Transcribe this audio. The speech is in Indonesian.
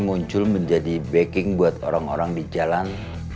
muncul menjadi backing buat orang orang di jalan